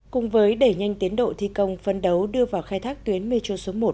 cùng với đẩy nhanh tiến độ thi công phân đấu đưa vào khai thác tuyến metro số một